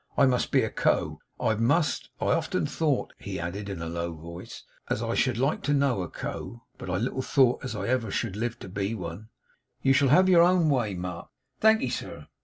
I must be Co., I must. I've often thought,' he added, in a low voice, 'as I should like to know a Co.; but I little thought as ever I should live to be one.' 'You shall have your own way, Mark.' 'Thank'ee, sir.